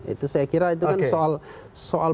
itu saya kira itu kan soal